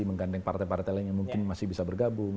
menggandeng partai partai lainnya mungkin masih bisa bergabung